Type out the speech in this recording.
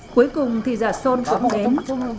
cuối cùng thì già sôn cũng đến